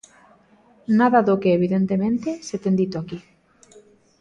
Nada do que, evidentemente, se ten dito aquí.